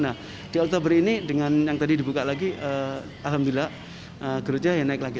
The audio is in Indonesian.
nah di oktober ini dengan yang tadi dibuka lagi alhamdulillah growthnya ya naik lagi